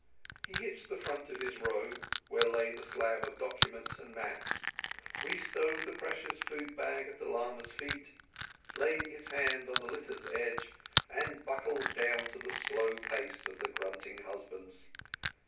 He hitched the front of his robe, where lay the slab of documents and maps, re stowed the precious food bag at the lama's feet, laid his hand on the litter's edge, and buckled down to the slow pace of the grunting husbands.